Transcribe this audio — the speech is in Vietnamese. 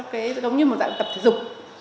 giống như một dạng tập thể dục